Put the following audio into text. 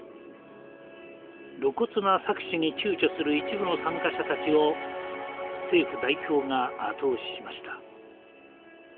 露骨な搾取にちゅうちょする一部の参加者たちを政府代表が後押ししました。